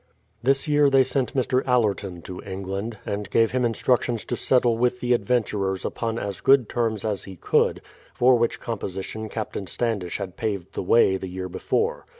This year they sent Mr. Allerton to England, and gave him instructions to settle with the adventurers upon as good terms as he could, for which composition Captain Standish had paved the way the year before.